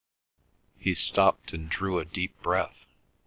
He stopped and drew a deep breath.